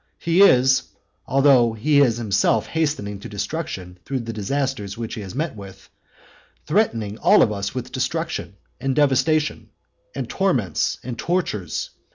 He is (although he is himself hastening to destruction, through the disasters which he has met with) threatening all of us with destruction, and devastation, and torments, and tortures.